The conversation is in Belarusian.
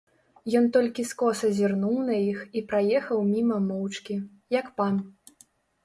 Ён толькі скоса зірнуў на іх і праехаў міма моўчкі, як пан.